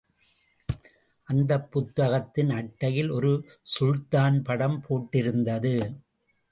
அந்த புத்தகத்தின் அட்டையில், ஒரு சுல்தான் படம் போட்டிருந்தது.